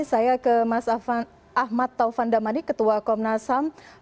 saya ke mas ahmad taufan damani ketua komnas ham